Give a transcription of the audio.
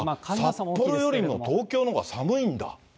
札幌よりも東京のほうが寒いんだ？